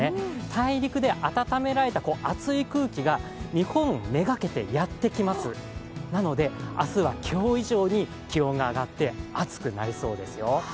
大陸で温められた暑い空気が日本めがけてやってきますなので、明日は今日以上に気温が上がって暑くなりそうですよ。